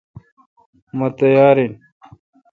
مہ تیار ہو۔